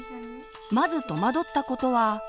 まず戸惑ったことは。